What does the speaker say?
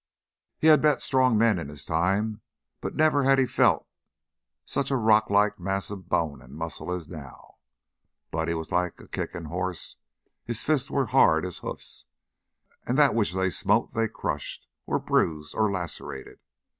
He had met strong men in his time, but never had he felt such a rocklike mass of bone and muscle as now. Buddy was like a kicking horse; his fists were as hard as hoofs, and that which they smote they crushed or bruised or lacerated.